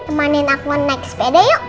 temanin akun naik sepeda yuk